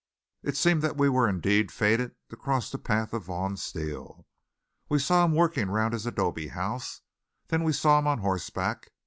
It seemed that we were indeed fated to cross the path of Vaughn Steele. We saw him working round his adobe house; then we saw him on horseback.